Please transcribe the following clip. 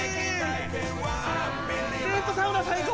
テントサウナ最高！